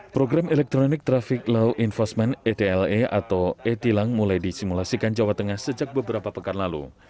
program elektronik trafik law enforcement etla atau etlang mulai disimulasikan jawa tengah sejak beberapa pekan lalu